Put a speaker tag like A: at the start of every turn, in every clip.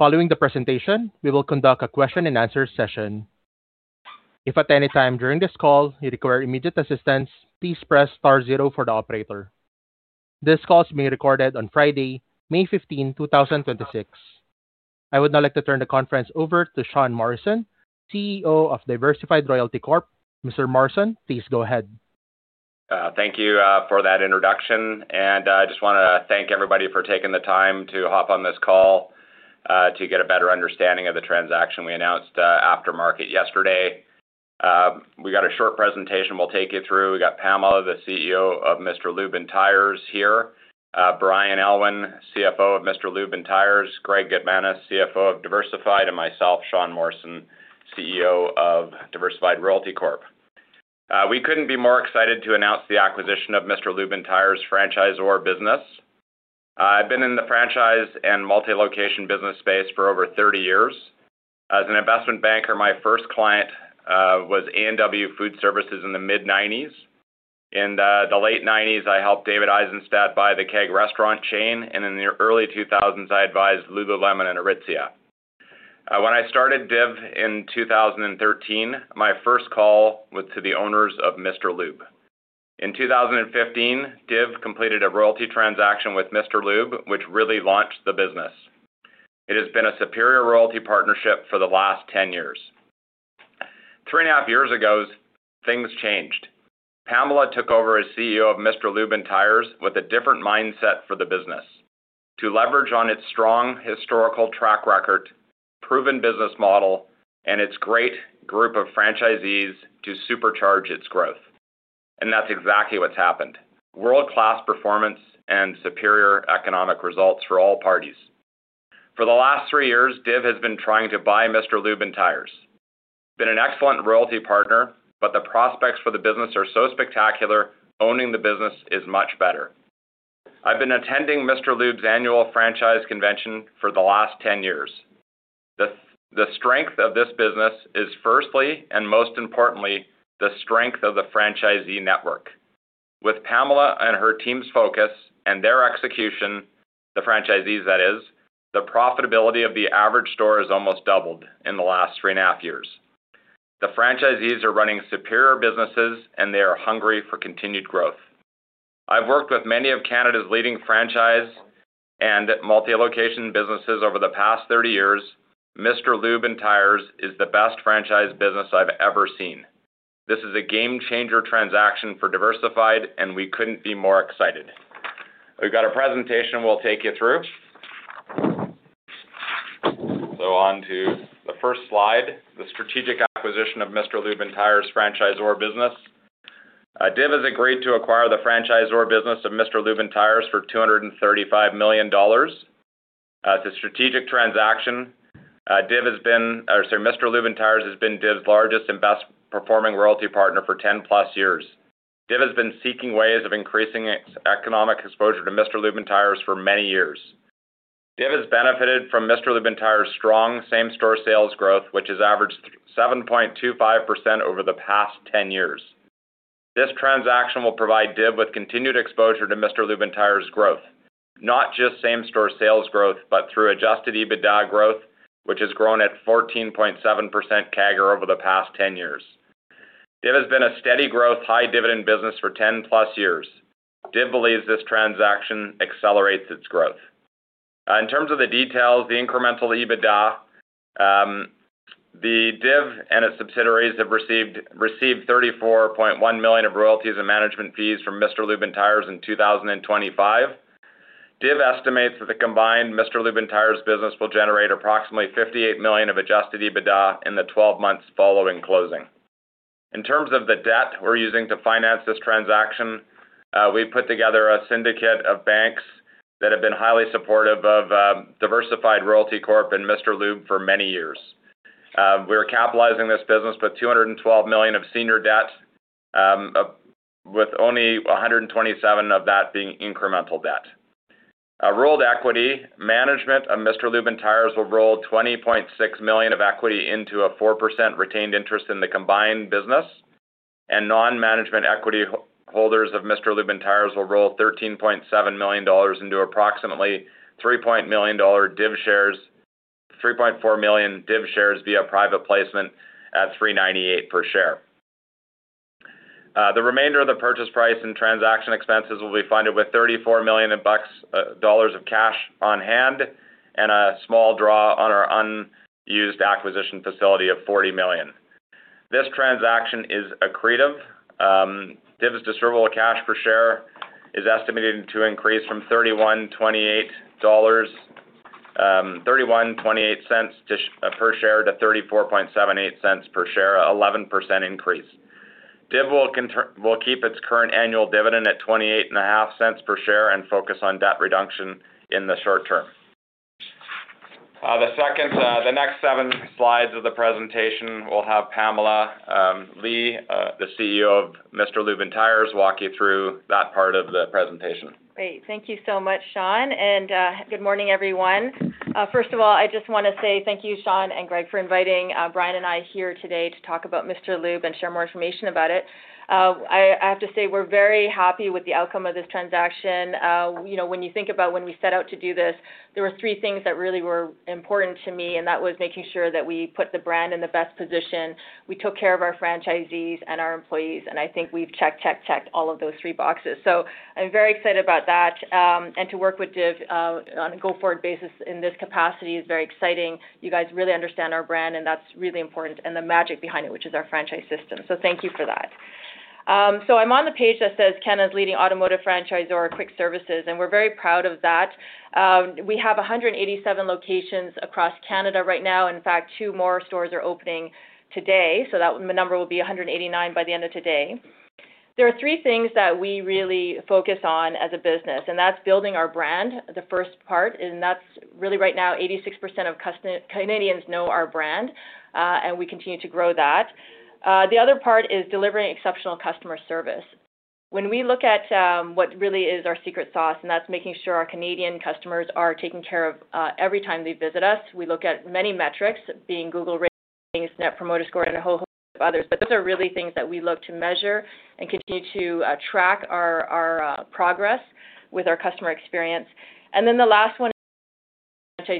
A: Following the presentation, we will conduct a question-and-answer session. If at any time during this call you require immediate assistance, please press star zero for the operator. This call is being recorded on Friday, May 15, 2026. I would now like to turn the conference over to Sean Morrison, CEO of Diversified Royalty Corp. Mr. Morrison, please go ahead.
B: Thank you for that introduction, I just wanna thank everybody for taking the time to hop on this call to get a better understanding of the transaction we announced after market yesterday. We got a short presentation we'll take you through. We got Pamela Lee, the CEO of Mr. Lube + Tires here, Brian Allen, CFO of Mr. Lube + Tires, Greg Gutmanis, CFO of Diversified, and myself, Sean Morrison, CEO of Diversified Royalty Corp. We couldn't be more excited to announce the acquisition of Mr. Lube + Tires' franchisor business. I've been in the franchise and multi-location business space for over 30 years. As an investment banker, my first client was A&W Food Services in the mid-90s. In the late 90s, I helped David Aisenstat buy The Keg Restaurant chain, and in the early 2000s, I advised Lululemon and Aritzia. When I started DIV in 2013, my first call was to the owners of Mr. Lube. In 2015, DIV completed a royalty transaction with Mr. Lube, which really launched the business. It has been a superior royalty partnership for the last 10 years. three and a half years ago, things changed. Pamela took over as CEO of Mr. Lube + Tires with a different mindset for the business, to leverage on its strong historical track record, proven business model, and its great group of franchisees to supercharge its growth, and that's exactly what's happened. World-class performance and superior economic results for all parties. For the last three years, DIV has been trying to buy Mr. Lube + Tires. Been an excellent royalty partner. The prospects for the business are so spectacular, owning the business is much better. I've been attending Mr. Lube's annual franchise convention for the last 10 years. The strength of this business is firstly and most importantly the strength of the franchisee network. With Pamela and her team's focus and their execution, the franchisees that is, the profitability of the average store has almost doubled in the last 3.5 years. The franchisees are running superior businesses, and they are hungry for continued growth. I've worked with many of Canada's leading franchise and multi-location businesses over the past 30 years. Mr. Lube + Tires is the best franchise business I've ever seen. This is a game-changer transaction for Diversified, and we couldn't be more excited. We've got a presentation we'll take you through. On to the first slide, the strategic acquisition of Mr. Lube + Tires' franchisor business. DIV has agreed to acquire the franchisor business of Mr. Lube + Tires for 235 million dollars. It's a strategic transaction. Mr. Lube + Tires has been DIV's largest and best-performing royalty partner for 10-plus years. DIV has been seeking ways of increasing its economic exposure to Mr. Lube + Tires for many years. DIV has benefited from Mr. Lube + Tires' strong same-store sales growth, which has averaged 7.25% over the past 10 years. This transaction will provide DIV with continued exposure to Mr. Lube + Tires' growth, not just same-store sales growth but through adjusted EBITDA growth, which has grown at 14.7% CAGR over the past 10 years. DIV has been a steady growth, high dividend business for 10-plus years. DIV believes this transaction accelerates its growth. In terms of the details, the incremental EBITDA, the DIV and its subsidiaries have received 34.1 million of royalties and management fees from Mr. Lube + Tires in 2025. DIV estimates that the combined Mr. Lube + Tires business will generate approximately 58 million of adjusted EBITDA in the 12 months following closing. In terms of the debt, we're using to finance this transaction, we put together a syndicate of banks that have been highly supportive of Diversified Royalty Corp. and Mr. Lube for many years. We're capitalizing this business with 212 million of senior debt, with only 127 of that being incremental debt. Rolled equity, management of Mr. Lube + Tires will roll 20.6 million of equity into a 4% retained interest in the combined business, and non-management equity holders of Mr. Lube + Tires will roll 13.7 million dollars into approximately 3.4 million DIV shares via private placement at 3.98 per share. The remainder of the purchase price and transaction expenses will be funded with 34 million in bucks, dollars of cash on hand and a small draw on our unused acquisition facility of 40 million. This transaction is accretive. DIV's distributable cash per share is estimated to increase from 0.3128 per share to 0.3478 per share, an 11% increase. DIV will keep its current annual dividend at 0.285 per share and focus on debt reduction in the short term. The second, the next seven slides of the presentation will have Pamela Lee, the CEO of Mr. Lube + Tires walk you through that part of the presentation.
C: Great. Thank you so much, Sean. Good morning, everyone. First of all, I just wanna say thank you, Sean and Greg, for inviting Brian and I here today to talk about Mr. Lube and share more information about it. I have to say, we're very happy with the outcome of this transaction. You know, when you think about when we set out to do this, there were three things that really were important to me, and that was making sure that we put the brand in the best position, we took care of our franchisees and our employees, and I think we've checked all of those three boxes. I'm very excited about that. To work with DIV on a go forward basis in this capacity is very exciting. You guys really understand our brand, and that's really important, and the magic behind it, which is our franchise system. Thank you for that. I'm on the page that says Canada's leading automotive franchisor of Quick Lube services, and we're very proud of that. We have 187 locations across Canada right now. In fact, two more stores are opening today, so that number will be 189 by the end of today. There are three things that we really focus on as a business, and that's building our brand, the first part, and that's really right now 86% of Canadians know our brand, and we continue to grow that. The other part is delivering exceptional customer service. When we look at what really is our secret sauce, that's making sure our Canadian customers are taken care of every time they visit us, we look at many metrics, being Google ratings, Net Promoter Score, and a whole host of others. Those are really things that we look to measure and continue to track our progress with our customer experience. The last one is franchisee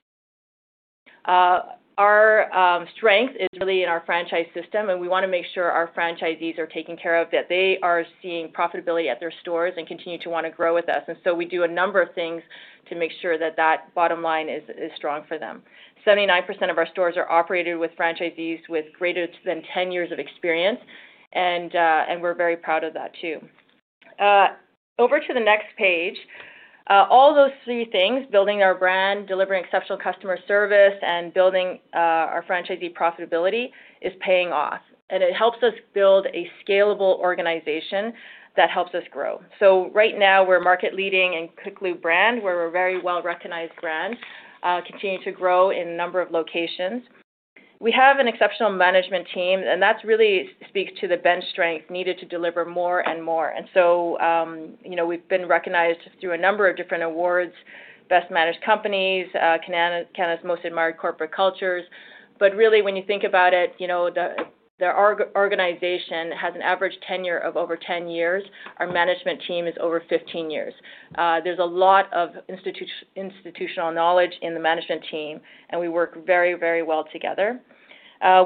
C: profitability. Our strength is really in our franchise system, we wanna make sure our franchisees are taken care of, that they are seeing profitability at their stores and continue to wanna grow with us. We do a number of things to make sure that that bottom line is strong for them. 79% of our stores are operated with franchisees with greater than 10 years of experience, and we're very proud of that too. Over to the next page, all those three things, building our brand, delivering exceptional customer service, and building our franchisee profitability is paying off, and it helps us build a scalable organization that helps us grow. Right now, we're market leading in Quick Lube brand. We're a very well-recognized brand, continue to grow in a number of locations. We have an exceptional management team, that's really speaks to the bench strength needed to deliver more and more. You know, we've been recognized through a number of different awards, best managed companies, Canada's most admired corporate cultures. Really, when you think about it, you know, the organization has an average tenure of over 10 years. Our management team is over 15 years. There's a lot of institutional knowledge in the management team, and we work very well together.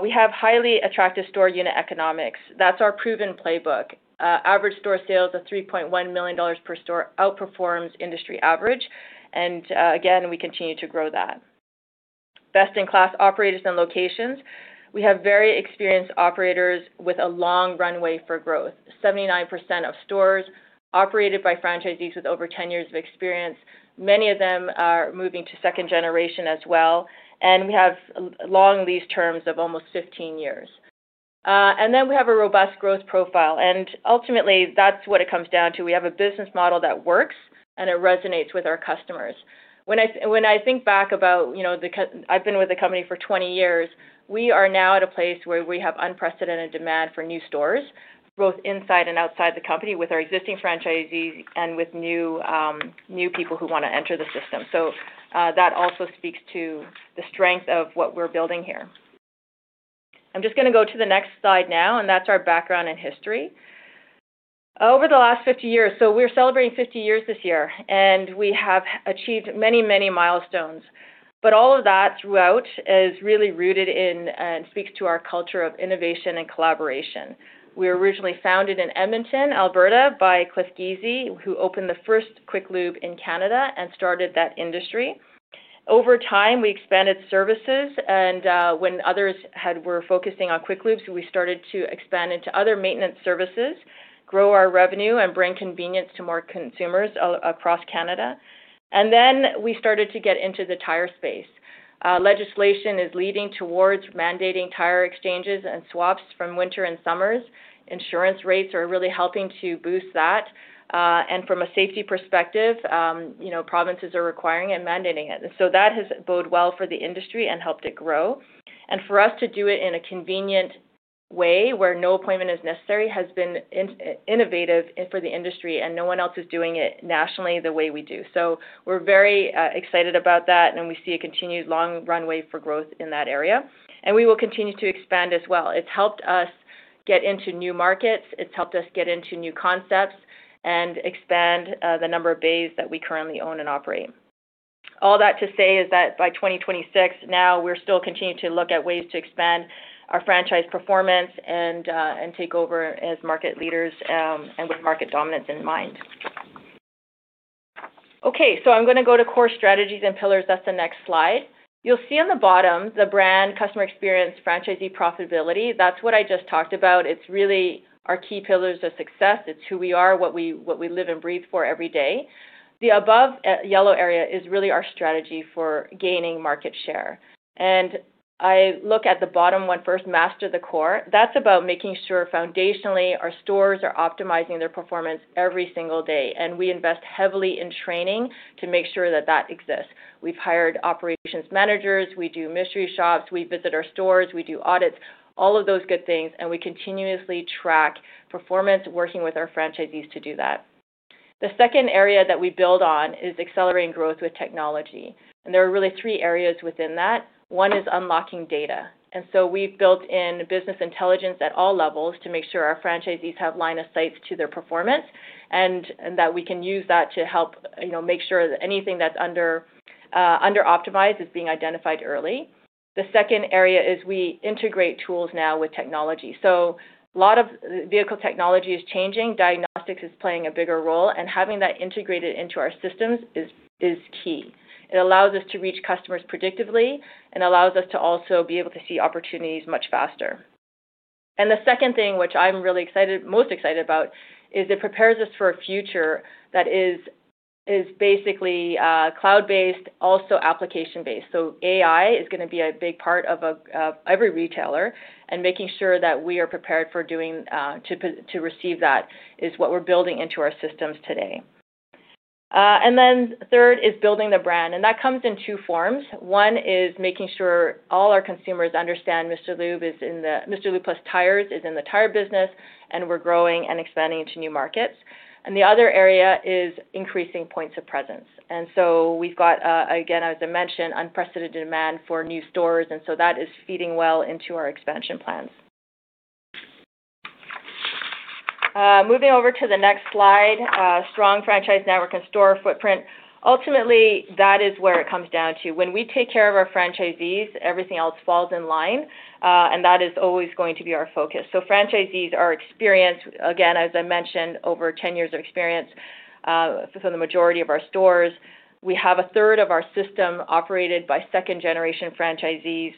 C: We have highly attractive store unit economics. That's our proven playbook. Average store sales of 3.1 million dollars per store outperforms industry average, and again, we continue to grow that. Best in class operators and locations. We have very experienced operators with a long runway for growth. 79% of stores operated by franchisees with over 10 years of experience. Many of them are moving to second generation as well, and we have long lease terms of almost 15 years. We have a robust growth profile, and ultimately, that's what it comes down to. We have a business model that works, and it resonates with our customers. When I think back about, you know, I've been with the company for 20 years, we are now at a place where we have unprecedented demand for new stores, both inside and outside the company with our existing franchisees and with new people who wanna enter the system. That also speaks to the strength of what we're building here. I'm just gonna go to the next slide now, and that's our background and history. Over the last 50 years, so we're celebrating 50 years this year, and we have achieved many, many milestones. All of that throughout is really rooted in and speaks to our culture of innovation and collaboration. We were originally founded in Edmonton, Alberta, by Clifford Giese, who opened the first Quick Lube in Canada and started that industry. Over time, we expanded services, when others were focusing on Quick Lubes, we started to expand into other maintenance services, grow our revenue, and bring convenience to more consumers across Canada. Then we started to get into the tire space. Legislation is leading towards mandating tire exchanges and swaps from winter and summers. Insurance rates are really helping to boost that, from a safety perspective, you know, provinces are requiring and mandating it. That has bode well for the industry and helped it grow. For us to do it in a convenient way where no appointment is necessary has been innovative for the industry, and no one else is doing it nationally the way we do. We're very excited about that, and we see a continued long runway for growth in that area, and we will continue to expand as well. It's helped us get into new markets. It's helped us get into new concepts and expand the number of bays that we currently own and operate. All that to say is that by 2026, now we're still continuing to look at ways to expand our franchise performance and take over as market leaders, and with market dominance in mind. I'm gonna go to core strategies and pillars. That's the next slide. You'll see on the bottom the brand customer experience, franchisee profitability. That's what I just talked about. It's really our key pillars of success. It's who we are, what we live and breathe for every day. The above yellow area is really our strategy for gaining market share. I look at the bottom 1 first, master the core. That's about making sure foundationally our stores are optimizing their performance every single day, and we invest heavily in training to make sure that that exists. We've hired operations managers, we do mystery shops, we visit our stores, we do audits, all of those good things, and we continuously track performance working with our franchisees to do that. The second area that we build on is accelerating growth with technology, and there are really three areas within that. one is unlocking data. We've built in business intelligence at all levels to make sure our franchisees have line of sight to their performance, and that we can use that to help, you know, make sure that anything that's under under-optimized is being identified early. The second area is we integrate tools now with technology. A lot of vehicle technology is changing, diagnostics is playing a bigger role, and having that integrated into our systems is key. It allows us to reach customers predictively and allows us to also be able to see opportunities much faster. The second thing, which I'm really most excited about, is it prepares us for a future that is basically cloud-based, also application-based. AI is going to be a big part of every retailer and making sure that we are prepared for doing to receive that is what we're building into our systems today. Then third is building the brand, and that comes in two forms. One is making sure all our consumers understand Mr. Lube + Tires is in the tire business, and we're growing and expanding into new markets. The other area is increasing points of presence. So we've got, again, as I mentioned, unprecedented demand for new stores, and so that is feeding well into our expansion plans. Moving over to the next slide, strong franchise network and store footprint. Ultimately, that is where it comes down to. When we take care of our franchisees, everything else falls in line, and that is always going to be our focus. Franchisees are experienced, again, as I mentioned, over 10 years of experience for the majority of our stores. We have a third of our system operated by second-generation franchisees,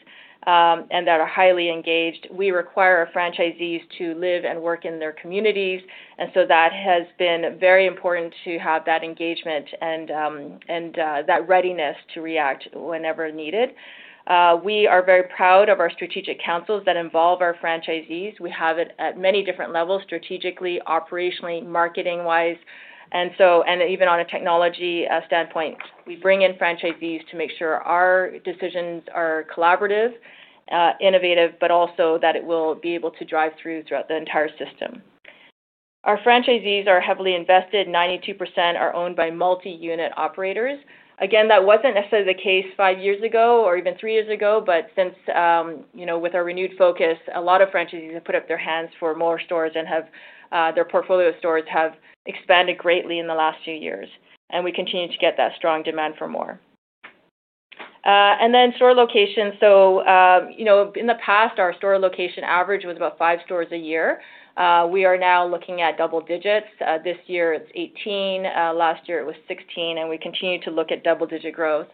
C: and that are highly engaged. We require our franchisees to live and work in their communities, and so that has been very important to have that engagement and that readiness to react whenever needed. We are very proud of our strategic councils that involve our franchisees. We have it at many different levels, strategically, operationally, marketing-wise, and so, and even on a technology standpoint. We bring in franchisees to make sure our decisions are collaborative, innovative, but also that it will be able to drive through throughout the entire system. Our franchisees are heavily invested. 92% are owned by multi-unit operators. That wasn't necessarily the case five years ago or even three years ago. Since, you know, with our renewed focus, a lot of franchisees have put up their hands for more stores and have their portfolio stores expanded greatly in the last few years. We continue to get that strong demand for more. Store location. You know, in the past, our store location average was about five stores a year. We are now looking at double digits. This year it's 18. Last year it was 16. We continue to look at double-digit growth.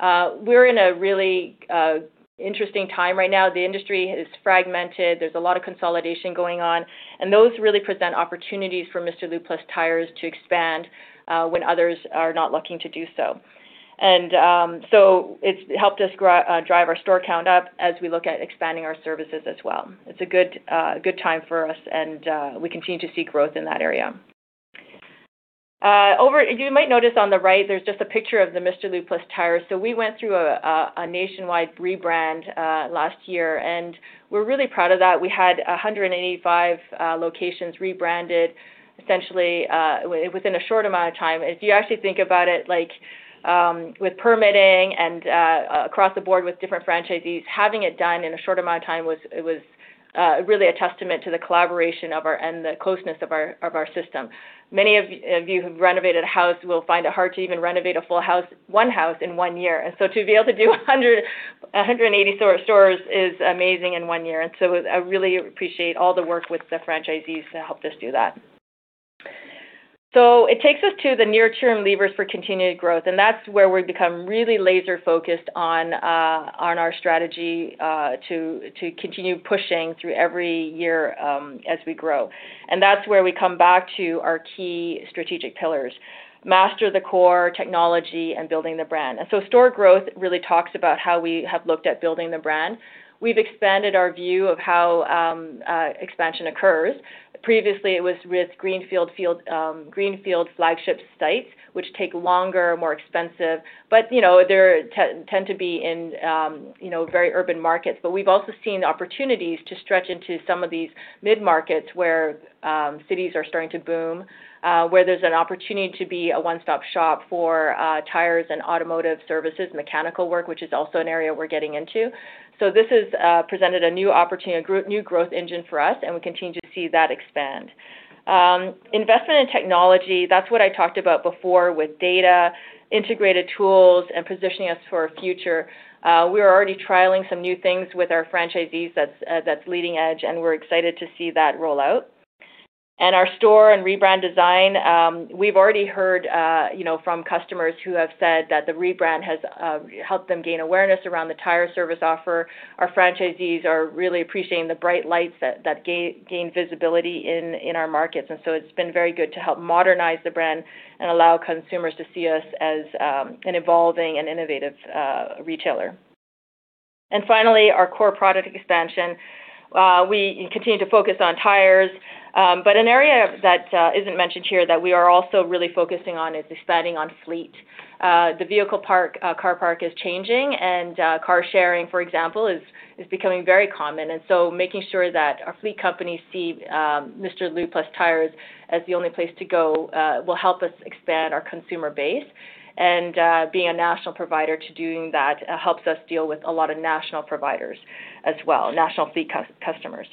C: We're in a really interesting time right now. The industry is fragmented. There's a lot of consolidation going on. Those really present opportunities for Mr. Lube + Tires to expand when others are not looking to do so. So, it's helped us drive our store count up as we look at expanding our services as well. It's a good time for us and we continue to see growth in that area. Over You might notice on the right, there's just a picture of the Mr. Lube + Tires. We went through a nationwide rebrand last year, and we're really proud of that. We had 185 locations rebranded essentially within a short amount of time. If you actually think about it, like, with permitting and across the board with different franchisees, having it done in a short amount of time was really a testament to the collaboration of our and the closeness of our, of our system. Many of you who've renovated a house will find it hard to even renovate a full house, one house in one year. To be able to do 180 stores is amazing in one year. I really appreciate all the work with the franchisees to help us do that. It takes us to the near-term levers for continued growth, and that's where we've become really laser-focused on our strategy to continue pushing through every year as we grow. That's where we come back to our key strategic pillars, master the core, technology, and building the brand. Store growth really talks about how we have looked at building the brand. We've expanded our view of how expansion occurs. Previously, it was with greenfield flagship sites, which take longer, more expensive, but, you know, they tend to be in, you know, very urban markets. We've also seen opportunities to stretch into some of these mid-markets where cities are starting to boom, where there's an opportunity to be a one-stop shop for tires and automotive services, mechanical work, which is also an area we're getting into. This has presented a new opportunity, a new growth engine for us, and we continue to see that expand. Investment in technology, that's what I talked about before with data, integrated tools, and positioning us for our future. We are already trialing some new things with our franchisees that's leading edge, and we're excited to see that roll out. Our store and rebrand design, we've already heard, you know, from customers who have said that the rebrand has helped them gain awareness around the tire service offer. Our franchisees are really appreciating the bright lights that gain visibility in our markets. So, it's been very good to help modernize the brand and allow consumers to see us as an evolving and innovative retailer. Finally, our core product expansion. We continue to focus on tires, but an area that isn't mentioned here that we are also really focusing on is expanding on fleet. The vehicle park, car park is changing, car sharing, for example, is becoming very common. Making sure that our fleet companies see Mr. Lube + Tires as the only place to go will help us expand our consumer bays. Being a national provider to doing that helps us deal with a lot of national providers as well, national fleet customers.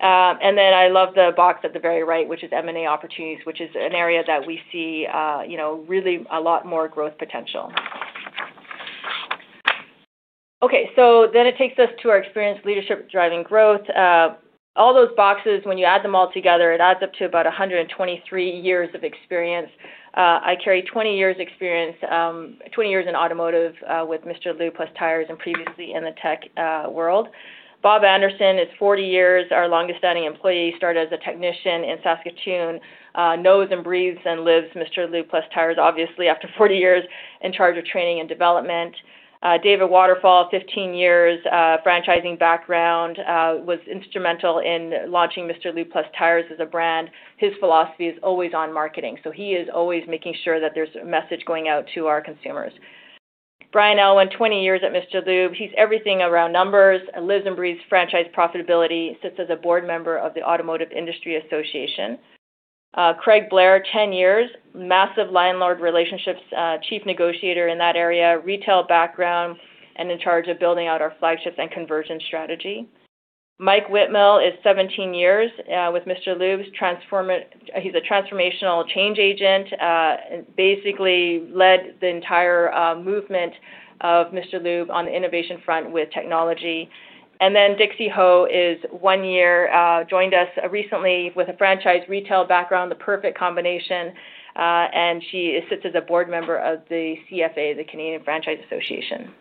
C: I love the box at the very right, which is M&A opportunities, which is an area that we see, you know, really a lot more growth potential. It takes us to our experienced leadership driving growth. All those boxes, when you add them all together, it adds up to about 123 years of experience. I carry 20 years experience, 20 years in automotive with Mr. Lube + Tires and previously in the tech world. Bob Anderson is 40 years, our longest standing employee, started as a technician in Saskatoon, knows and breathes and lives Mr. Lube + Tires, obviously after 40 years, in charge of training and development. David Waterfall, 15 years, franchising background, was instrumental in launching Mr. Lube + Tires as a brand. His philosophy is always on marketing, so he is always making sure that there's a message going out to our consumers. Brian Allen, 20 years at Mr. Lube. He's everything around numbers, lives and breathes franchise profitability, sits as a board member of the Automotive Industries Association of Canada. Craig Blair, 10 years, massive landlord relationships, chief negotiator in that area, retail background, and in charge of building out our flagships and conversion strategy. Mike Whitmell is 17 years with Mr. Lube. He's a transformational change agent, basically led the entire movement of Mr. Lube on the innovation front with technology. Dixie Ho is one year joined us recently with a franchise retail background, the perfect combination, and she sits as a board member of the CFA, the Canadian Franchise Association.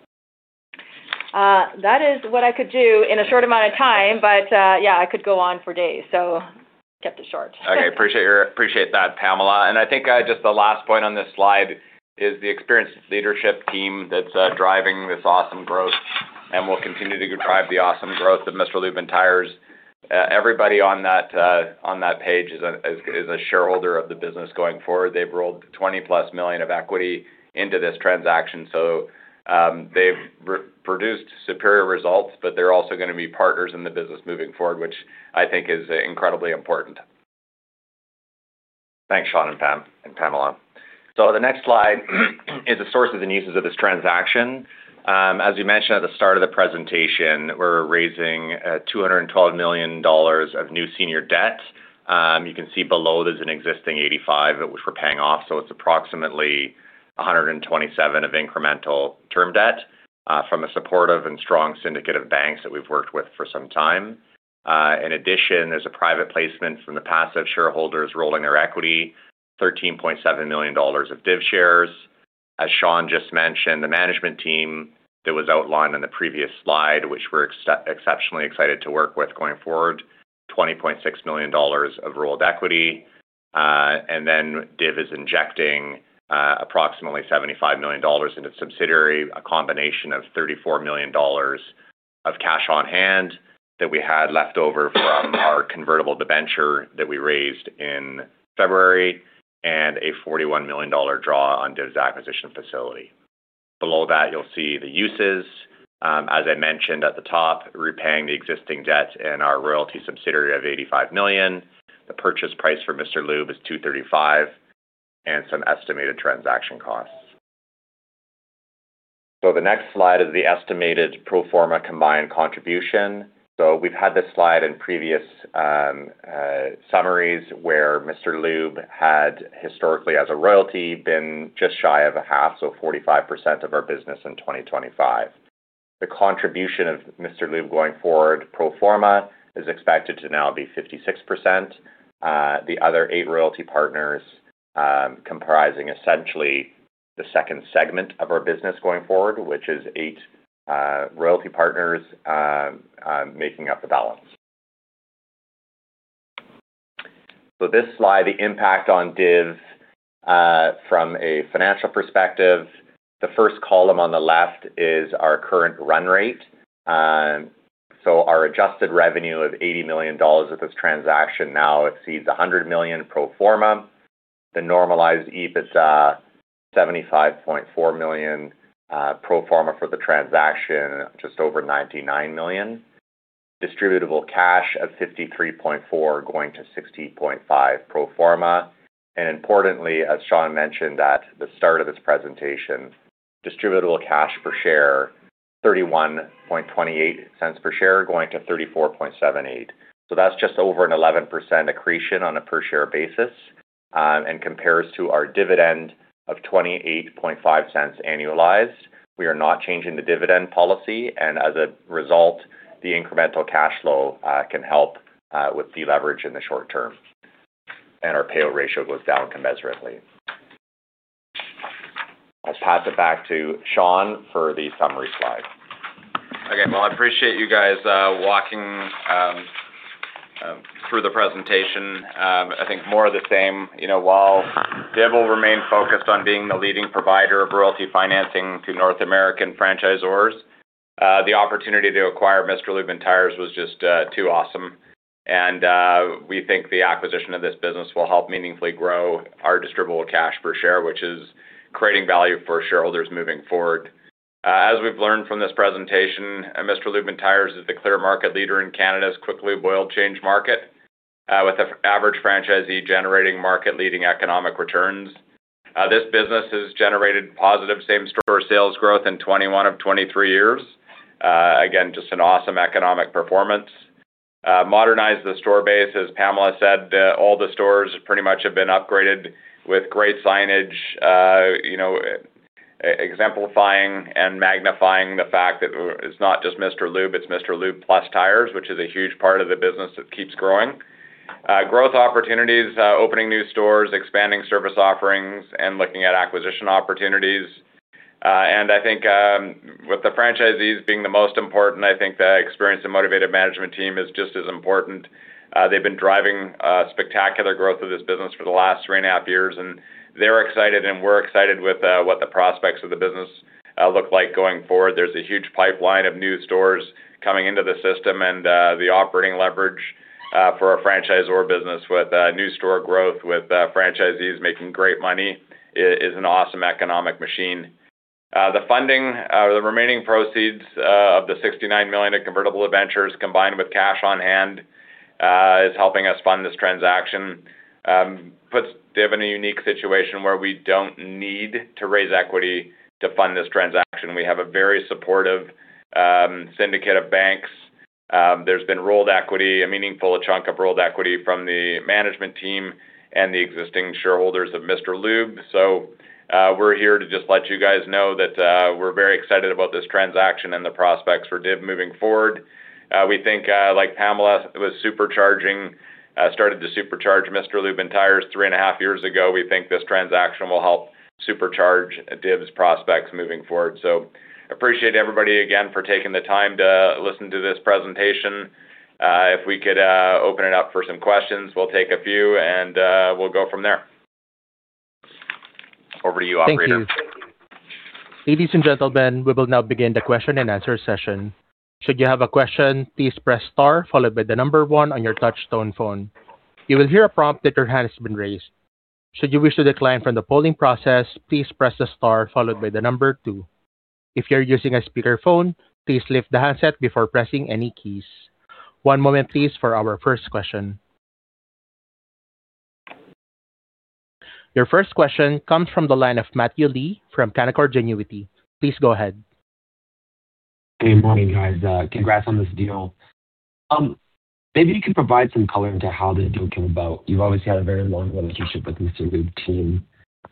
C: That is what I could do in a short amount of time. Yeah, I could go on for days. Kept it short.
D: Okay. Appreciate that, Pamela. I think just the last point on this slide is the experienced leadership team that's driving this awesome growth and will continue to drive the awesome growth of Mr. Lube + Tires. Everybody on that page is a shareholder of the business going forward. They've rolled 20+ million of equity into this transaction, so they've re-produced superior results, but they're also gonna be partners in the business moving forward, which I think is incredibly important. Thanks, Sean and Pamela. The next slide is the sources and uses of this transaction. As we mentioned at the start of the presentation, we're raising 212 million dollars of new senior debt. You can see below there's an existing 85, which we're paying off, so it's approximately 127 of incremental term debt from a supportive and strong syndicate of banks that we've worked with for some time. In addition, there's a private placement from the passive shareholders rolling their equity, 13.7 million dollars of DIV shares. As Sean just mentioned, the management team that was outlined in the previous slide, which we're exceptionally excited to work with going forward, 20.6 million dollars of rolled equity. And then DIV is injecting approximately 75 million dollars into subsidiary, a combination of 34 million dollars of cash on hand that we had left over from our convertible debenture that we raised in February, and a 41 million dollar draw on DIV's acquisition facility. Below that, you'll see the uses. As I mentioned at the top, repaying the existing debt in our royalty subsidiary of 85 million. The purchase price for Mr. Lube is 235, and some estimated transaction costs. The next slide is the estimated pro forma combined contribution. We've had this slide in previous summaries where Mr. Lube had historically as a royalty been just shy of a half, so 45% of our business in 2025. The contribution of Mr. Lube going forward, pro forma, is expected to now be 56%. The other eight royalty partners, comprising essentially the second segment of our business going forward, which is eight royalty partners, making up the balance. This slide, the impact on DIV from a financial perspective. The first column on the left is our current run rate. Our adjusted revenue of 80 million dollars of this transaction now exceeds 100 million pro forma. The normalized EBITDA, 75.4 million, pro forma for the transaction, just over 99 million. Distributable cash of 53.4 going to 60.5 pro forma. Importantly, as Sean mentioned at the start of this presentation, distributable cash per share, 0.3128 per share going to 0.3478. That's just over an 11% accretion on a per share basis, compares to our dividend of 0.285 annualized. We are not changing the dividend policy, as a result, the incremental cash flow can help with deleverage in the short term, our payout ratio goes down commensurately. I'll pass it back to Sean for the summary slide.
B: Okay. Well, I appreciate you guys, walking. Through the presentation, I think more of the same, you know, while they will remain focused on being the leading provider of royalty financing to North American franchisors. The opportunity to acquire Mr. Lube + Tires was just too awesome. We think the acquisition of this business will help meaningfully grow our distributable cash per share, which is creating value for shareholders moving forward. As we've learned from this presentation, Mr. Lube + Tires is the clear market leader in Canada's Quick Lube oil change market, with the average franchisee generating market-leading economic returns. This business has generated positive same-store sales growth in 21 of 23 years. Again, just an awesome economic performance. Modernize the store base, as Pamela said, all the stores pretty much have been upgraded with great signage, you know, exemplifying and magnifying the fact that it's not just Mr. Lube, it's Mr. Lube + Tires, which is a huge part of the business that keeps growing. Growth opportunities, opening new stores, expanding service offerings, and looking at acquisition opportunities. I think, with the franchisees being the most important, I think the experienced and motivated management team is just as important. They've been driving spectacular growth of this business for the last three and a half years, and they're excited and we're excited with what the prospects of the business look like going forward. There's a huge pipeline of new stores coming into the system and the operating leverage for our franchisor business with new store growth, with franchisees making great money is an awesome economic machine. The funding, the remaining proceeds of the 69 million in convertible debentures combined with cash on hand, is helping us fund this transaction. Puts DIV in a unique situation where we don't need to raise equity to fund this transaction. We have a very supportive syndicate of banks. There's been rolled equity, a meaningful chunk of rolled equity from the management team and the existing shareholders of Mr. Lube. We're here to just let you guys know that we're very excited about this transaction and the prospects for DIV moving forward. We think, like Pamela was supercharging, started to supercharge Mr. Lube + Tires 3.5 years ago. We think this transaction will help supercharge DIV's prospects moving forward. Appreciate everybody again for taking the time to listen to this presentation. If we could open it up for some questions, we'll take a few and we'll go from there. Over to you, operator.
A: Thank you. Ladies and gentlemen, we will now begin the question and answer session. One moment, please, for our first question. Your first question comes from the line of Matthew Lee from Canaccord Genuity. Please go ahead.
E: Morning, guys. Congrats on this deal. Maybe you can provide some color into how the deal came about. You've always had a very long relationship with Mr. Lube team.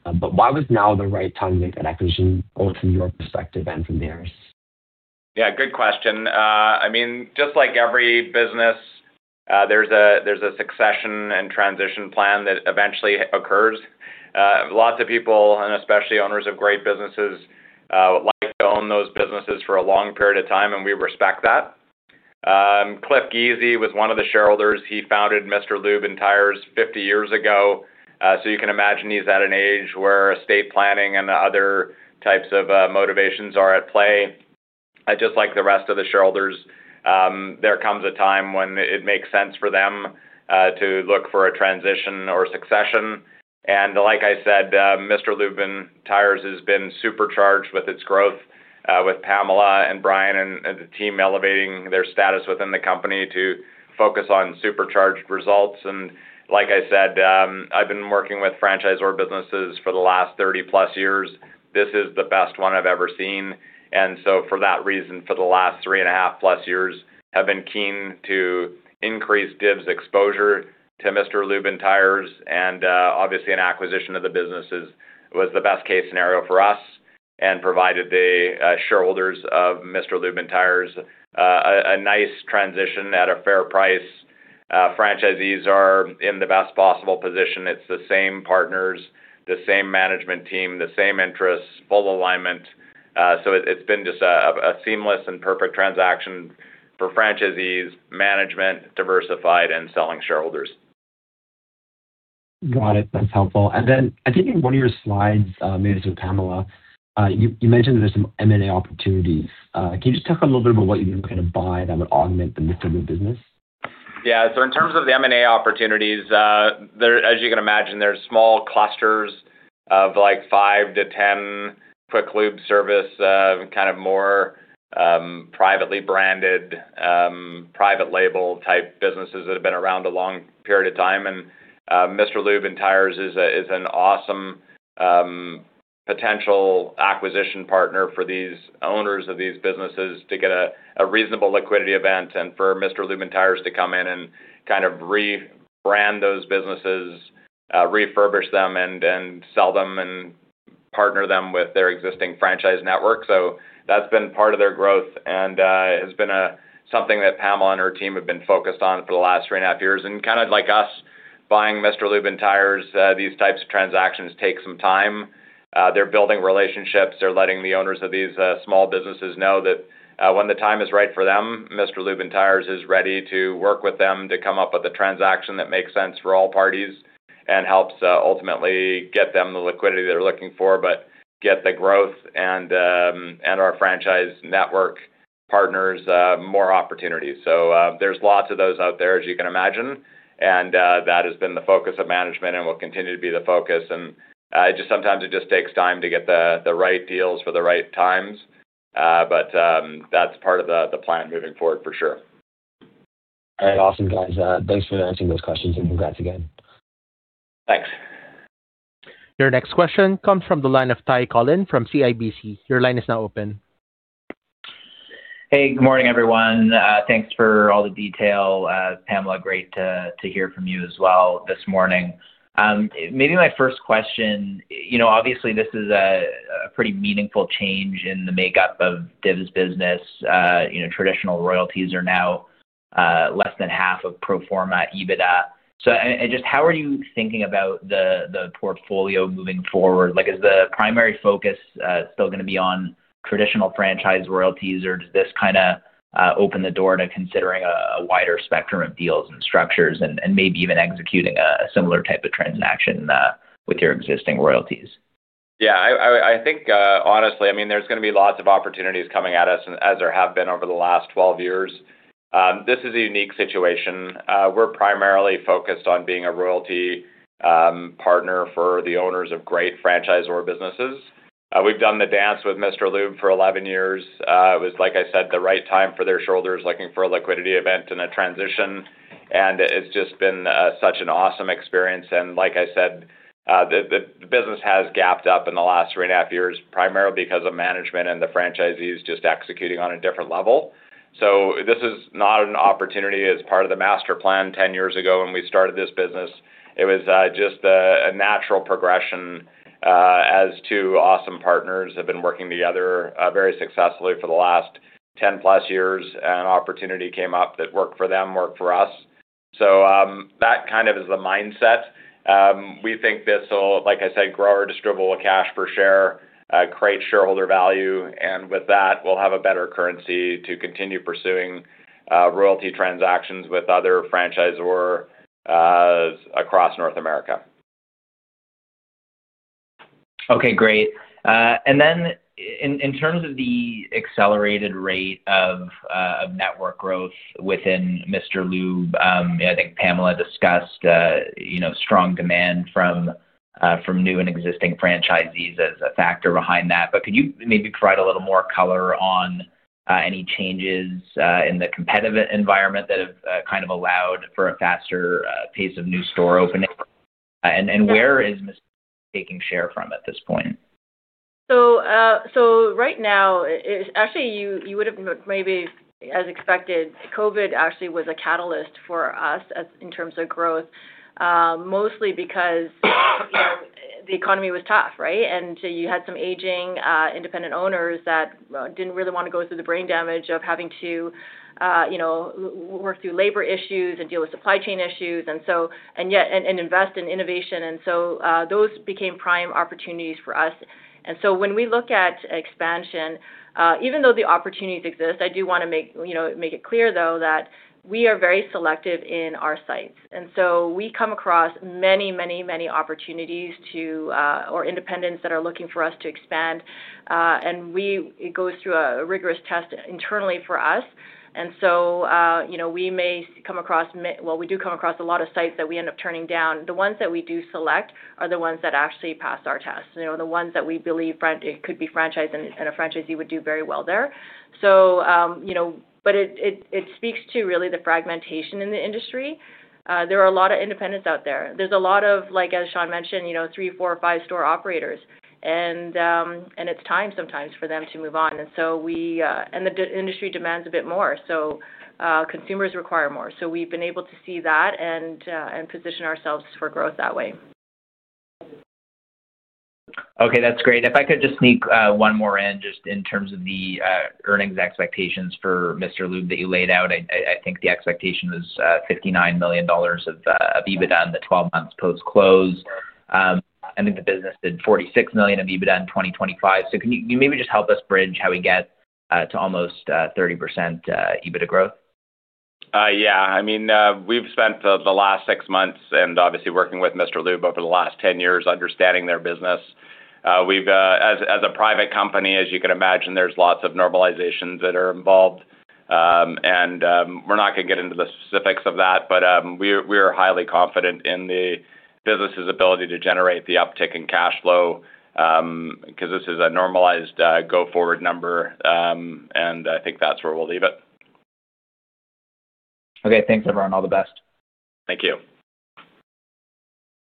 E: Why was now the right time to make that acquisition, both from your perspective and from theirs?
B: Yeah, good question. Just like every business, there's a succession and transition plan that eventually occurs. Lots of people, and especially owners of great businesses, like to own those businesses for a long period of time, and we respect that. Clifford Giese was one of the shareholders. He founded Mr. Lube + Tires 50 years ago. So you can imagine he's at an age where estate planning and other types of motivations are at play. Just like the rest of the shareholders, there comes a time when it makes sense for them to look for a transition or succession. Like I said, Mr. Lube + Tires has been supercharged with its growth with Pamela and Brian and the team elevating their status within the company to focus on supercharged results. Like I said, I've been working with franchisor businesses for the last 30-plus years. This is the best one I've ever seen. For that reason, for the last 3.5-plus years, have been keen to increase DIV's exposure to Mr. Lube + Tires. Obviously, an acquisition of the businesses was the best case scenario for us and provided the shareholders of Mr. Lube + Tires a nice transition at a fair price. Franchisees are in the best possible position. It's the same partners, the same management team, the same interests, full alignment. So it's been just a seamless and perfect transaction for franchisees, management, Diversified and selling shareholders.
E: Got it. That's helpful. I think in one of your slides, maybe it's with Pamela, you mentioned that there's some M&A opportunities. Can you just talk a little bit about what you can kind of buy that would augment the Mr. Lube business?
B: In terms of the M&A opportunities, there, as you can imagine, there's small clusters of, like, 5 to 10 Quick Lube service, kind of more, privately branded, private label type businesses that have been around a long period of time. Mr. Lube + Tires is a, is an awesome potential acquisition partner for these owners of these businesses to get a reasonable liquidity event and for Mr. Lube + Tires to come in and kind of rebrand those businesses, refurbish them and sell them and partner them with their existing franchise network. That's been part of their growth and has been something that Pamela and her team have been focused on for the last 3.5 years. Kind of like us buying Mr. Lube + Tires, these types of transactions take some time. They're building relationships. They're letting the owners of these small businesses know that when the time is right for them, Mr. Lube + Tires is ready to work with them to come up with a transaction that makes sense for all parties and helps ultimately get them the liquidity they're looking for, but get the growth and our franchise network partners more opportunities. There's lots of those out there, as you can imagine, and that has been the focus of management and will continue to be the focus. Just sometimes it just takes time to get the right deals for the right times. That's part of the plan moving forward for sure.
E: All right. Awesome, guys. Thanks for answering those questions, and congrats again.
B: Thanks.
A: Your next question comes from the line of Ty Collin from CIBC. Your line is now open.
F: Good morning, everyone. Thanks for all the detail. Pamela, great to hear from you as well this morning. Maybe my first question, you know, obviously this is a pretty meaningful change in the makeup of DIV's business. You know, traditional royalties are now less than half of pro forma EBITDA. Just how are you thinking about the portfolio moving forward? Like, is the primary focus still gonna be on traditional franchise royalties, or does this kinda open the door to considering a wider spectrum of deals and structures and maybe even executing a similar type of transaction with your existing royalties?
B: Yeah. I think, honestly, I mean, there's gonna be lots of opportunities coming at us and as there have been over the last 12 years. This is a unique situation. We're primarily focused on being a royalty partner for the owners of great franchisor businesses. We've done the dance with Mr. Lube for 11 years. It was, like I said, the right time for their shareholders looking for a liquidity event and a transition, and it's just been such an awesome experience. Like I said, the business has gapped up in the last 3.5 years, primarily because of management and the franchisees just executing on a different level. This is not an opportunity as part of the master plan 10 years ago when we started this business. It was just a natural progression as two awesome partners have been working together very successfully for the last 10 plus years. An opportunity came up that worked for them, worked for us. That kind of is the mindset. We think this'll, like I said, grow our distributable cash per share, create shareholder value, and with that, we'll have a better currency to continue pursuing royalty transactions with other franchisor across North America.
F: Okay. Great. In terms of the accelerated rate of network growth within Mr. Lube, I think Pamela discussed, you know, strong demand from new and existing franchisees as a factor behind that. Could you maybe provide a little more color on any changes in the competitive environment that have kind of allowed for a faster pace of new store openings? Where is taking share from at this point?
C: Right now, actually, you would've maybe as expected, COVID actually was a catalyst for us as in terms of growth, mostly because, you know, the economy was tough, right? You had some aging independent owners that didn't really wanna go through the brain damage of having to, you know, work through labor issues and deal with supply chain issues and invest in innovation. Those became prime opportunities for us. When we look at expansion, even though the opportunities exist, I do wanna make, you know, make it clear though that we are very selective in our sites. We come across many opportunities to, or independents that are looking for us to expand. We-- it goes through a rigorous test internally for us. You know, we may come across Well, we do come across a lot of sites that we end up turning down. The ones that we do select are the ones that actually pass our tests, you know, the ones that we believe it could be franchised and a franchisee would do very well there. You know, but it, it speaks to really the fragmentation in the industry. There are a lot of independents out there. There's a lot of, like, as Sean mentioned, you know, three, four, or five store operators and it's time sometimes for them to move on. The industry demands a bit more, so consumers require more. We've been able to see that and position ourselves for growth that way.
F: Okay. That's great. If I could just sneak one more in just in terms of the earnings expectations for Mr. Lube that you laid out. I think the expectation was 59 million dollars of EBITDA in the 12 months post-close. I think the business did 46 million of EBITDA in 2025. Can you maybe just help us bridge how we get to almost 30% EBITDA growth?
B: Yeah. I mean, we've spent the last six months and obviously working with Mr. Lube over the last 10 years understanding their business. We've as a private company, as you can imagine, there's lots of normalizations that are involved. We're not gonna get into the specifics of that, but we are highly confident in the business's ability to generate the uptick in cash flow, 'cause this is a normalized go forward number. I think that's where we'll leave it.
F: Okay. Thanks, everyone. All the best.
B: Thank you.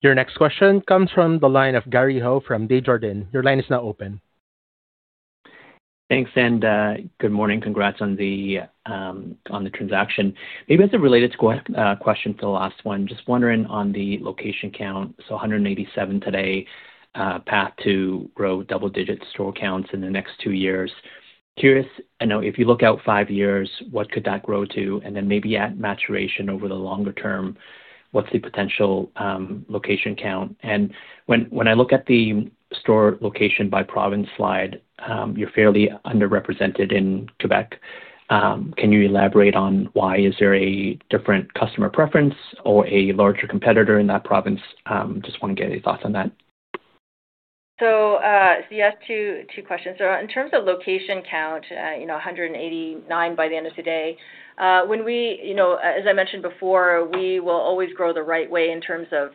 A: Your next question comes from the line of Gary Ho from Desjardins. Your line is now open.
G: Thanks, good morning. Congrats on the transaction. Maybe as a related question to the last one, just wondering on the location count. 187 today, path to grow double-digit store counts in the next two years. Curious, I know if you look out five years, what could that grow to? Then maybe at maturation over the longer term, what's the potential location count? When I look at the store location by province slide, you're fairly underrepresented in Quebec. Can you elaborate on why is there a different customer preference or a larger competitor in that province? Just wanna get your thoughts on that.
C: You asked two questions. In terms of location count, you know, 189 by the end of today. When we, you know, as I mentioned before, we will always grow the right way in terms of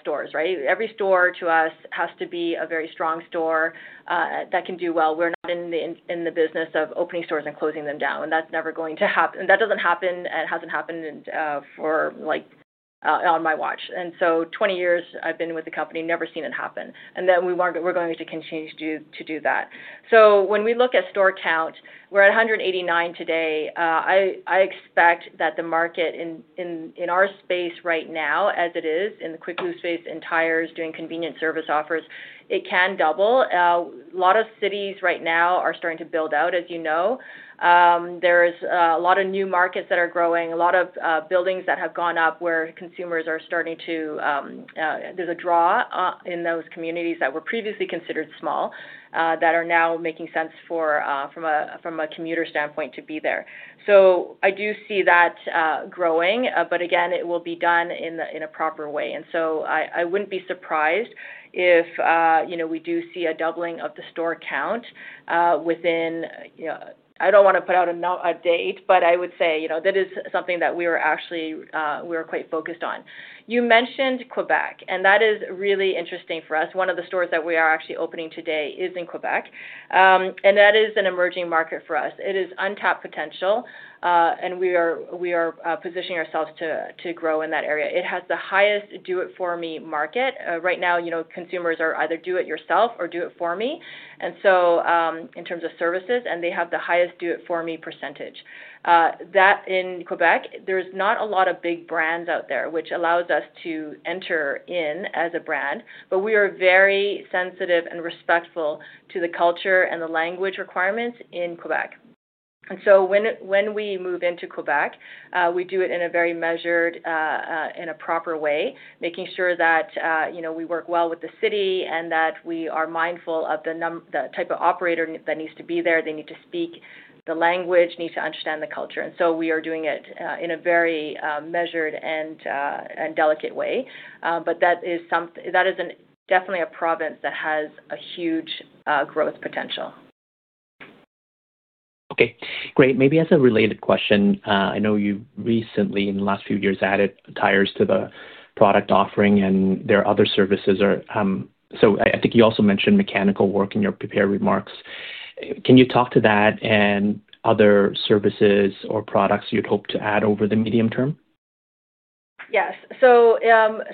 C: stores, right? Every store to us has to be a very strong store that can do well. We're not in the business of opening stores and closing them down. That's never going to happen. That doesn't happen and hasn't happened in, for like, on my watch. 20 years I've been with the company never seen it happen. Then we're going to continue to do that. When we look at store count, we're at 189 today. I expect that the market in our space right now, as it is in the Quick Lube space and tires doing convenient service offers, it can double. A lot of cities right now are starting to build out, as you know. There's a lot of new markets that are growing, a lot of buildings that have gone up where There's a draw in those communities that were previously considered small, that are now making sense for from a commuter standpoint to be there. I do see that growing, but again, it will be done in a proper way. I wouldn't be surprised if, you know, we do see a doubling of the store count within, you know, I don't wanna put out a date, but I would say, you know, that is something that we are actually quite focused on. You mentioned Quebec, and that is really interesting for us. One of the stores that we are actually opening today is in Quebec, and that is an emerging market for us. It is untapped potential, and we are positioning ourselves to grow in that area. It has the highest do it for me market. Right now, you know, consumers are either do it yourself or do it for me. In terms of services, and they have the highest do it for me percentage. That in Quebec, there's not a lot of big brands out there, which allows us to enter in as a brand, but we are very sensitive and respectful to the culture and the language requirements in Quebec. When we move into Quebec, we do it in a very measured, in a proper way, making sure that, you know, we work well with the city and that we are mindful of the type of operator that needs to be there. They need to speak the language, needs to understand the culture. We are doing it in a very measured and delicate way. But that is that is an definitely a province that has a huge growth potential.
G: Okay, great. Maybe as a related question, I know you've recently, in the last few years, added tires to the product offering and there are other services. I think you also mentioned mechanical work in your prepared remarks. Can you talk to that and other services or products you'd hope to add over the medium term?
C: Yes. Right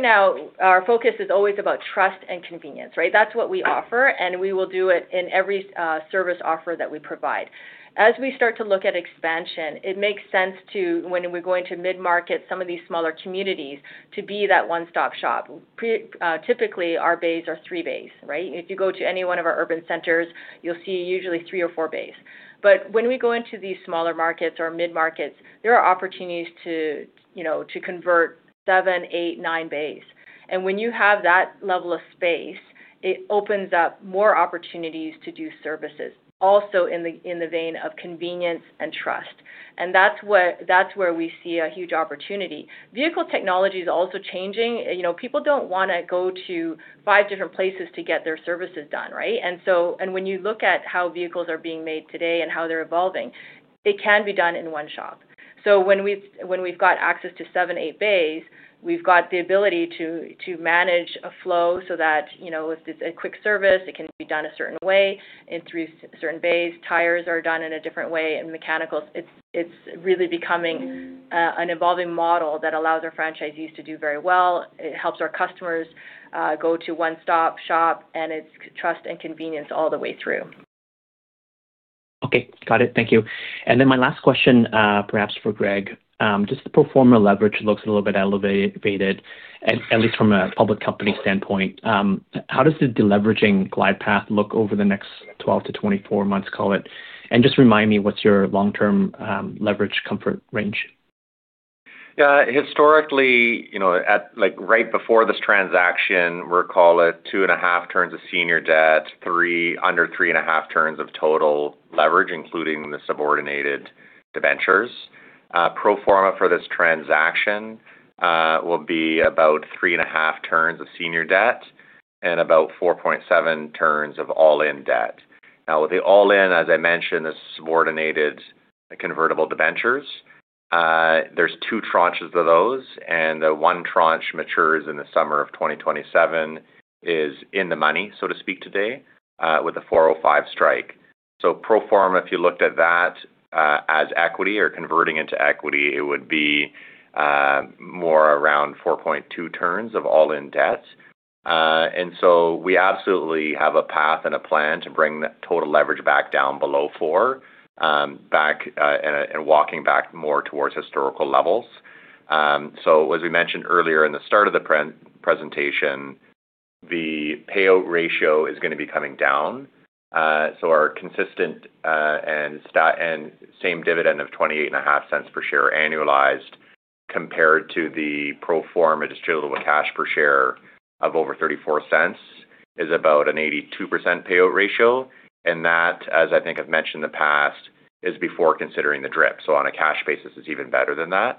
C: now, our focus is always about trust and convenience, right? That's what we offer, we will do it in every service offer that we provide. As we start to look at expansion, it makes sense to, when we're going to mid-market some of these smaller communities to be that one-stop shop. Typically our bays are three bays, right? If you go to any one of our urban centers, you'll see usually three or four bays. When we go into these smaller markets or mid-markets, there are opportunities to, you know, to convert seven, eight, nine bays. When you have that level of space, it opens up more opportunities to do services also in the, in the vein of convenience and trust. That's where, that's where we see a huge opportunity. Vehicle technology is also changing. You know, people don't wanna go to five different places to get their services done, right? When you look at how vehicles are being made today and how they're evolving, it can be done in one shop. When we've got access to seven, eight bays, we've got the ability to manage a flow so that, you know, if it's a quick service, it can be done a certain way in three certain bays, tires are done in a different way, and mechanicals. It's really becoming an evolving model that allows our franchisees to do very well. It helps our customers go to one-stop shop. It's trust and convenience all the way through.
G: Okay. Got it. Thank you. Then my last question, perhaps for Greg, just the pro forma leverage looks a little bit elevated, at least from a public company standpoint. How does the deleveraging glide path look over the next 12 to 24 months, call it? Just remind me what's your long-term leverage comfort range.
D: Yeah. Historically, you know, like, right before this transaction, we're, call it 2.5 turns of senior debt, under 3.5 turns of total leverage, including the subordinated debentures. Pro forma for this transaction, will be about 3.5 turns of senior debt and about 4.7 turns of all-in debt. Now, with the all-in, as I mentioned, the subordinated convertible debentures, there's two tranches of those, and the one tranche matures in the summer of 2027, is in the money, so to speak, today, with a 405 strike. Pro forma, if you looked at that, as equity or converting into equity, it would be more around 4.2 turns of all-in debt. We absolutely have a path and a plan to bring the total leverage back down below four, walking back more towards historical levels. As we mentioned earlier in the start of the pre-presentation, the payout ratio is gonna be coming down. Our consistent and same dividend of 0.285 per share annualized compared to the pro forma distributable cash per share of over 0.34 is about an 82% payout ratio. That, as I think I've mentioned in the past, is before considering the DRIP. On a cash basis, it's even better than that.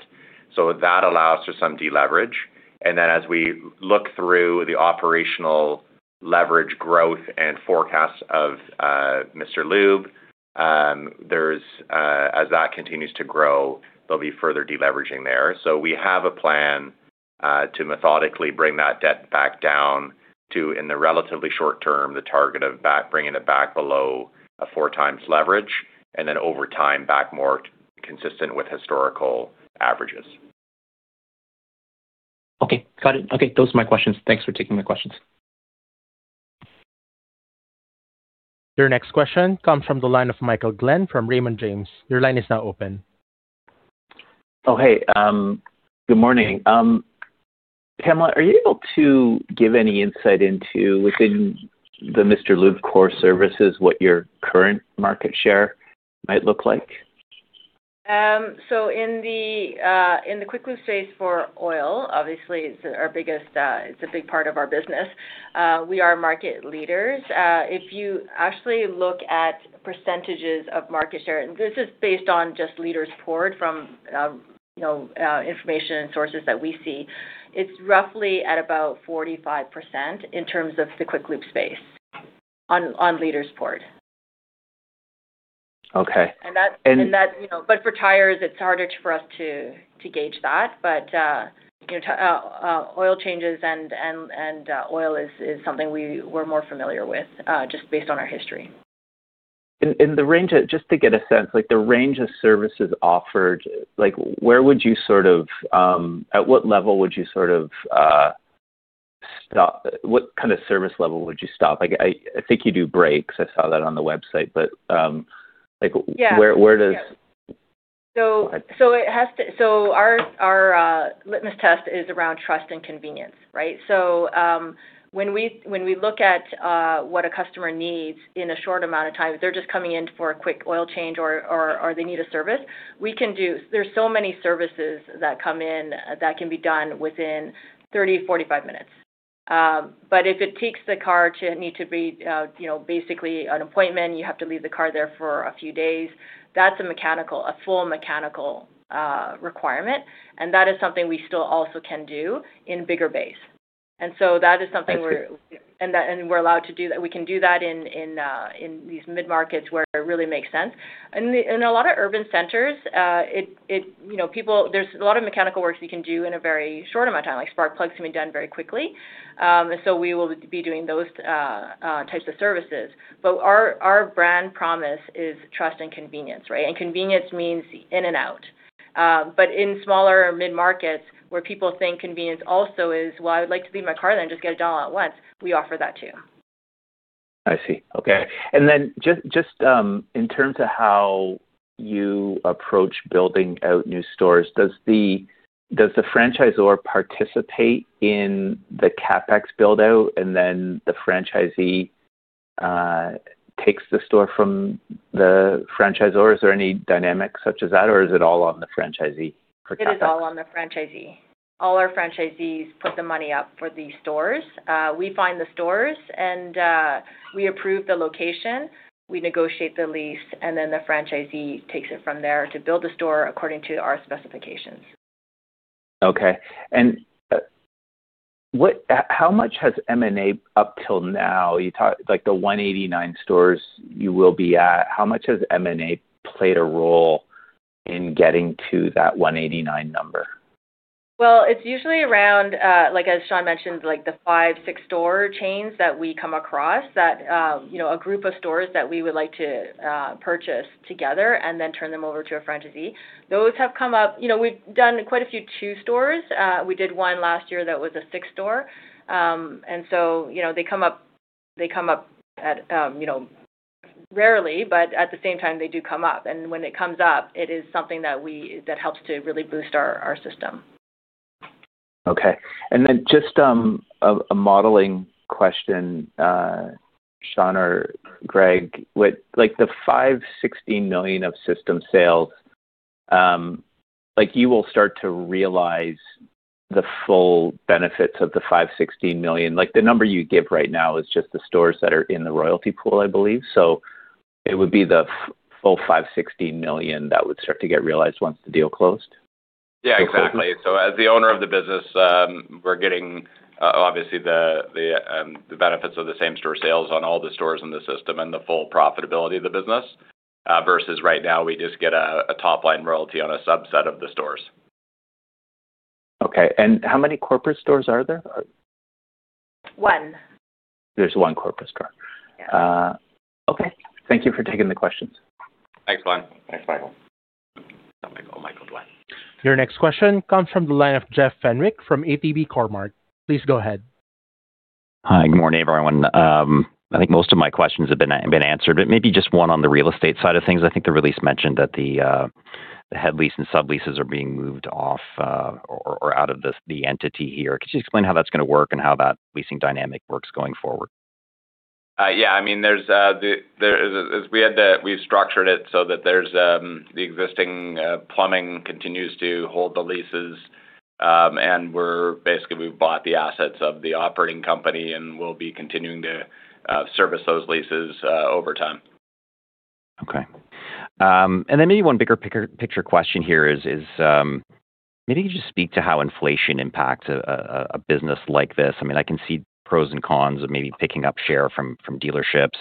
D: That allows for some deleverage. As we look through the operational leverage growth and forecasts of Mr. Lube, there's as that continues to grow, there'll be further deleveraging there. We have a plan to methodically bring that debt back down to, in the relatively short term, the target of bringing it back below a four times leverage, and then over time back more consistent with historical averages.
G: Okay, got it. Okay, those are my questions. Thanks for taking my questions.
A: Your next question comes from the line of Michael Glen from Raymond James. Your line is now open.
H: Oh, hey, good morning. Pamela, are you able to give any insight into, within the Mr. Lube core services, what your current market share might look like?
C: In the quick lube space for oil, obviously it's our biggest, it's a big part of our business. We are market leaders. If you actually look at percentages of market share, and this is based on just liters poured from information and sources that we see, it's roughly at about 45% in terms of the Quick Lube space on liters poured.
H: Okay.
C: That, you know. For tires, it's harder for us to gauge that. You know, oil changes and oil is something we're more familiar with, just based on our history.
H: In the range, just to get a sense, like the range of services offered, like where would you sort of, at what level would you sort of, stop? What kind of service level would you stop? Like I think you do brakes. I saw that on the website, but like where...
C: Yeah.
H: Where does?
C: Our litmus test is around trust and convenience, right? When we look at what a customer needs in a short amount of time, if they're just coming in for a quick oil change or they need a service, there's so many services that come in that can be done within 30, 45 minutes. But if it takes the car to need to be, you know, basically an appointment, you have to leave the car there for a few days, that's a mechanical, a full mechanical requirement. That is something we still also can do in bigger base. That is something we're-
H: Thank you.
C: We can do that in these mid-markets where it really makes sense. In a lot of urban centers, it, you know, there's a lot of mechanical works you can do in a very short amount of time. Like, spark plugs can be done very quickly. We will be doing those types of services. Our brand promise is trust and convenience, right? Convenience means in and out. In smaller mid-markets where people think convenience also is, "Well, I would like to leave my car there and just get it done all at once," we offer that too.
H: I see. Okay. Just, in terms of how you approach building out new stores, does the franchisor participate in the CapEx build-out and then the franchisee takes the store from the franchisor? Is there any dynamic such as that, or is it all on the franchisee for CapEx?
C: It is all on the franchisee. All our franchisees put the money up for the stores. We find the stores and we approve the location, we negotiate the lease, and then the franchisee takes it from there to build the store according to our specifications.
H: Okay. What How much has M&A up till now, like the 189 stores you will be at, how much has M&A played a role in getting to that 189 number?
C: Well, it's usually around, like as Sean mentioned, like the five, six store chains that we come across that, you know, a group of stores that we would like to purchase together and then turn them over to a franchisee. Those have come up. You know, we've done quite a few two stores. We did one last year that was a six store. So, you know, they come up, they come up at, you know, rarely, but at the same time they do come up. When it comes up, it is something that we, that helps to really boost our system.
H: Okay. Just a modeling question, Sean or Greg. With like the 516 million of system sales, like you will start to realize the full benefits of the 516 million. Like the number you give right now is just the stores that are in the royalty pool, I believe. It would be the full 516 million that would start to get realized once the deal closed?
D: Yeah, exactly.
H: Okay.
D: As the owner of the business, we're getting obviously the benefits of the same-store sales on all the stores in the system and the full profitability of the business, versus right now we just get a top line royalty on a subset of the stores.
H: Okay. How many corporate stores are there?
C: One.
H: There's one corporate store.
C: Yeah.
H: Okay. Thank you for taking the questions.
D: Thanks, Glen.
B: Thanks, Michael.
A: Your next question comes from the line of Jeff Fenwick from ATB Cormark. Please go ahead.
I: Hi, good morning, everyone. I think most of my questions have been answered, but maybe just one on the real estate side of things. I think the release mentioned that the head lease and subleases are being moved off or out of this, the entity here. Could you explain how that's going to work and how that leasing dynamic works going forward?
B: Yeah. I mean, we've structured it so that there's the existing plumbing continues to hold the leases. We're basically, we've bought the assets of the operating company, and we'll be continuing to service those leases over time.
I: Okay. Maybe one bigger picture question here is, maybe just speak to how inflation impacts a business like this. I mean, I can see pros and cons of maybe picking up share from dealerships,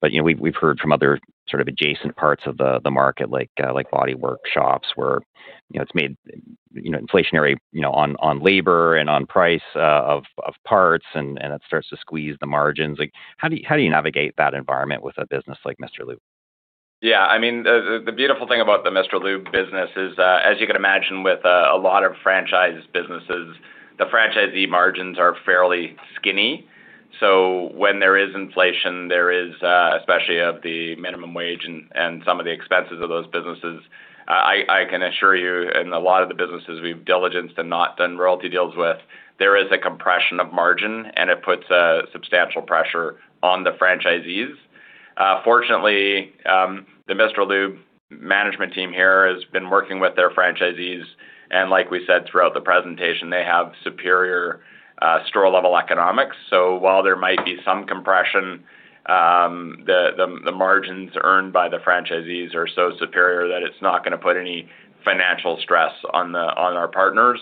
I: but, you know, we've heard from other sort of adjacent parts of the market, like body workshops where, it's made inflationary on labor and on price of parts, and it starts to squeeze the margins. Like, how do you navigate that environment with a business like Mr. Lube?
B: Yeah, I mean, the beautiful thing about the Mr. Lube business is, as you can imagine with a lot of franchise businesses, the franchisee margins are fairly skinny. When there is inflation, there is, especially of the minimum wage and some of the expenses of those businesses, I can assure you in a lot of the businesses we've diligence and not done royalty deals with, there is a compression of margin, and it puts a substantial pressure on the franchisees. Fortunately, the Mr. Lube management team here has been working with their franchisees, and like we said throughout the presentation, they have superior store level economics. While there might be some compression, the margins earned by the franchisees are so superior that it's not gonna put any financial stress on our partners.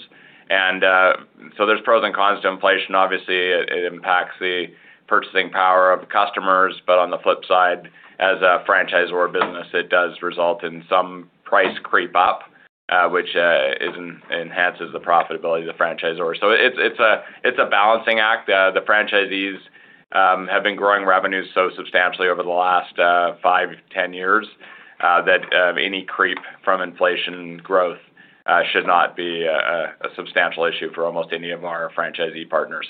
B: There's pros and cons to inflation. Obviously, it impacts the purchasing power of customers, but on the flip side, as a franchisor business, it does result in some price creep up, which enhances the profitability of the franchisor. It's a balancing act. The franchisees have been growing revenues so substantially over the last 5 to 10 years that any creep from inflation growth should not be a substantial issue for almost any of our franchisee partners.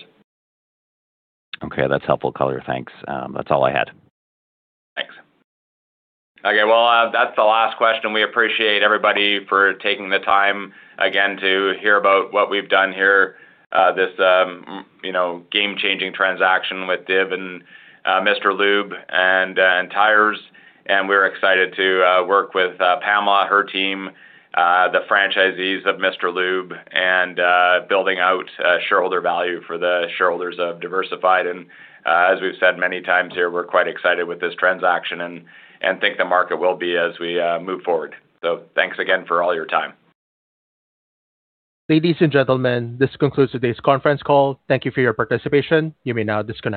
I: Okay, that's helpful color. Thanks. That's all I had.
B: Thanks. Okay. Well, that's the last question. We appreciate everybody for taking the time again to hear about what we've done here. This, you know, game-changing transaction with DIV and Mr. Lube + Tires, we're excited to work with Pamela, her team, the franchisees of Mr. Lube, building out shareholder value for the shareholders of Diversified. As we've said many times here, we're quite excited with this transaction and think the market will be as we move forward. Thanks again for all your time.
A: Ladies and gentlemen, this concludes today's conference call. Thank you for your participation. You may now disconnect.